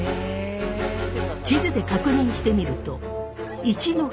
地図で確認してみると。